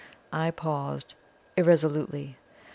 I paused irresolutely.